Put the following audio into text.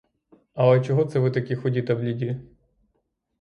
Але чого це ви такі худі та бліді?